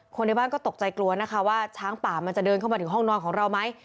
ในบ้านก็ตกใจกลัวนะคะว่าช้างป่ามันจะเดินเข้ามาถึงห้องนอนของเราไหม